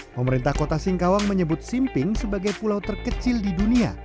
pemerintah kota singkawang menyebut simping sebagai pulau terkecil di dunia